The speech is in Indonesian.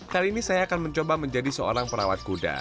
kali ini saya akan mencoba menjadi seorang perawat kuda